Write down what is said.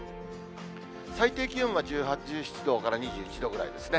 最低気温は１７度から２１度ぐらいですね。